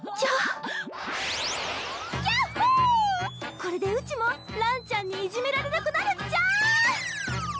これでうちもランちゃんにいじめられなくなるっちゃ！